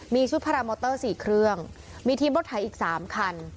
มีชุดพารามอเตอร์๔เครื่องมีทีมรถไถอีก๓คัน